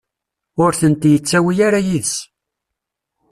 Ur tent-yettawi ara yid-s.